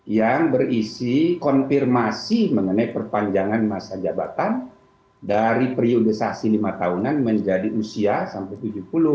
yang berisi konfirmasi mengenai perpanjangan masa jabatan dari periodisasi lima tahunan menjadi usia sampai tujuh puluh tahun